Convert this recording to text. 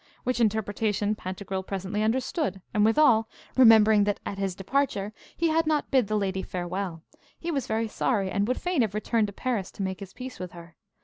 Which interpretation Pantagruel presently understood, and withal remembering that at his departure he had not bid the lady farewell, he was very sorry, and would fain have returned to Paris to make his peace with her.